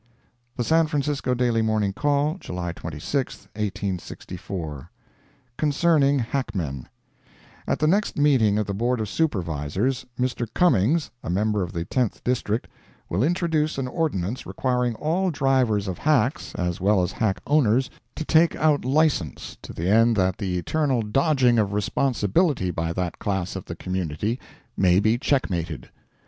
The San Francisco Daily Morning Call, July 26, 1864 CONCERNING HACKMEN At the next meeting of the Board of Supervisors, Mr. Cummings, member from the Tenth District, will introduce an ordinance requiring all drivers of hacks, as well as hack owners, to take out license, to the end that the eternal dodging of responsibility by that class of the community may be checkmated.